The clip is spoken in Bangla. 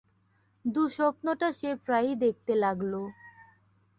দুঃস্বপ্নটা সে প্রায়ই দেখতে লাগল!